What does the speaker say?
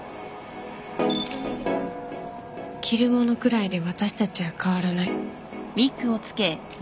着るものくらいで私たちは変わらない。